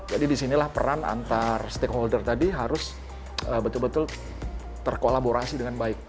jadi disinilah peran antar stakeholder tadi harus betul betul terkolaborasi dengan baik